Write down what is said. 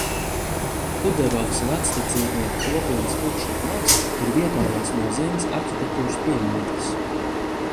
Puderovas vecticībnieku kopienas lūgšanu nams ir vietējās nozīmes arhitektūras piemineklis.